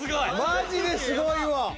マジですごいわ！